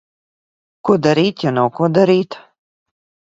Ko darīt, ja nav, ko darīt?